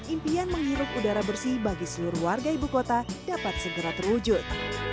impian menghirup udara bersih bagi seluruh warga ibu kota dapat segera terwujud